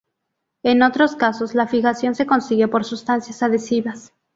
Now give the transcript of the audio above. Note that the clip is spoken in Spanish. En otros casos la fijación se consigue por sustancias adhesivas.